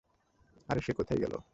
আরে, সে কোথায় গেলো?